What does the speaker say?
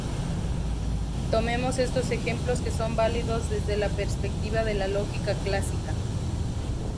Tomemos estos ejemplos que son válidos desde la perspectiva de la lógica clásica.